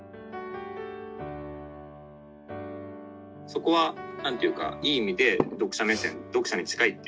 「そこはなんていうかいい意味で読者目線読者に近いっていうことを」。